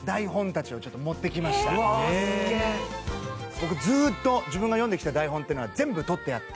僕ずっと自分が読んできた台本っていうのは全部取ってあって。